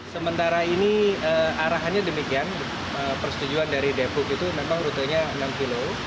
sementara ini arahannya demikian persetujuan dari depok itu memang rutenya enam km